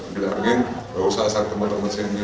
bilangin enggak usah asal teman teman sini